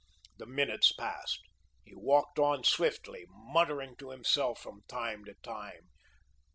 The minutes passed. He walked on swiftly, muttering to himself from time to time.